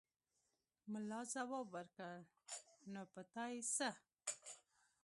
ملا ځواب ورکړ: نو په تا يې څه!